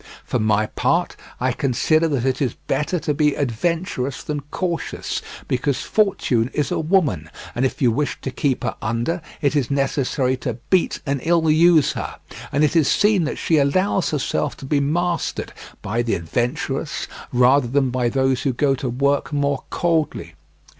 For my part I consider that it is better to be adventurous than cautious, because fortune is a woman, and if you wish to keep her under it is necessary to beat and ill use her; and it is seen that she allows herself to be mastered by the adventurous rather than by those who go to work more coldly.